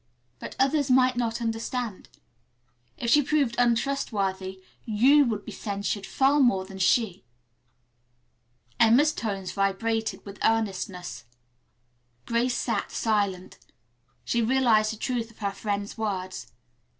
But others might not understand. If she proved untrustworthy, you would be censured far more than she." Emma's tones vibrated with earnestness. Grace sat silent. She realized the truth of her friend's words.